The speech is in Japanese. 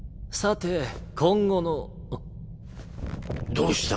どうした？